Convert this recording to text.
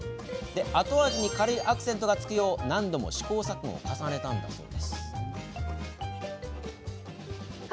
後味に軽いアクセントがつくよう何度も試行錯誤を重ねたんだとか。